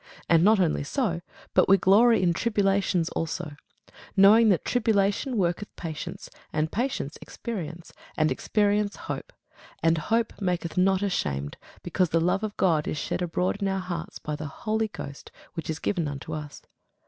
And not only so, but we glory in tribulations also: knowing that tribulation worketh patience; and patience, experience; and experience, hope: and hope maketh not ashamed; because the love of God is shed abroad in our hearts by the Holy Ghost which is given unto us.